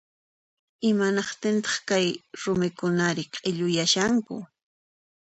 Imanaqtintaq kay rumikunari q'illuyashanku